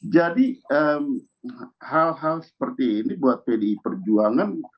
hal hal seperti ini buat pdi perjuangan